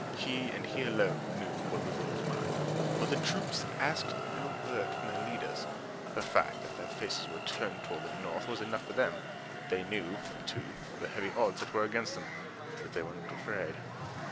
He and he alone knew what was in his mind. But the troops asked no word from their leaders. The fact that their faces were turned toward the north was enough for them. They knew, too, of the heavy odds that were against them, but they were not afraid.